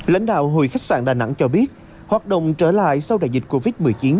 lãnh đạo hội khách sạn đà nẵng cho biết hoạt động trở lại sau đại dịch covid một mươi chín